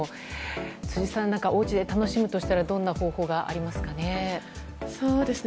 辻さん、おうちで楽しむとしたらどんな方法がありますかね？